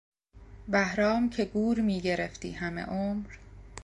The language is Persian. بهرام که گور میگرفتی همه عمر...